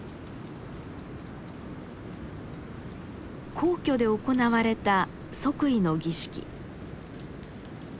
皇居で行われた即位の儀式。